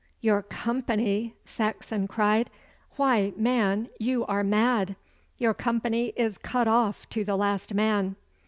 'Your company!' Saxon cried. 'Why, man, you are mad! Your company is cut off to the last man.